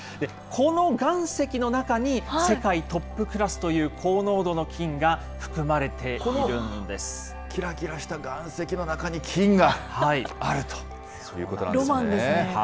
この岩石の中に、世界トップクラスという高濃度の金が含まれこのきらきらした岩石の中にロマンですね。